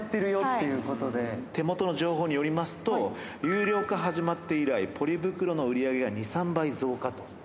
結局、手元の情報によりますと、有料化始まって以来ポリ袋の売り上げが２、３倍増加と。